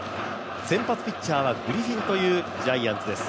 先発ピッチャーはグリフィンというジャイアンツです。